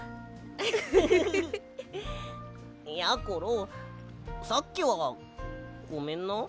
やころさっきはごめんな。